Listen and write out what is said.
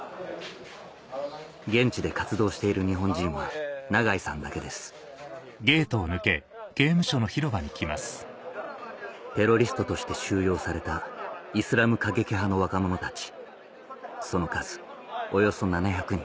現地で活動している日本人は永井さんだけですテロリストとして収容されたイスラム過激派の若者たち